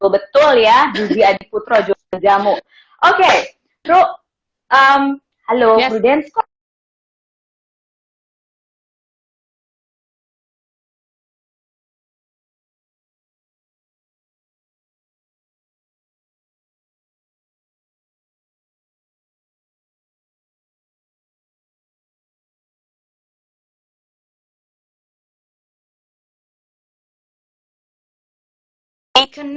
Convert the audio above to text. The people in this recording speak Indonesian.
betul ya gigi adiputro jualan jamu oke truk halo prudence kok